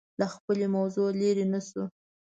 له خپلې موضوع لرې نه شو